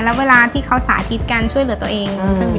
แล้วเวลาที่เขาสาธิตการช่วยเหลือตัวเอง